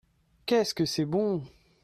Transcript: Qu'est-ce que c'est bon !